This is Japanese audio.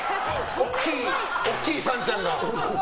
大きいさんちゃんが。